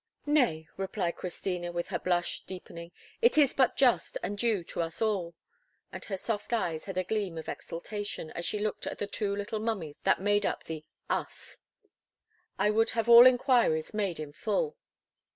"Nay," replied Christina, with her blush deepening, "it is but just and due to us all;" and her soft eyes had a gleam of exultation, as she looked at the two little mummies that made up the us—"I would have all inquiries made in full."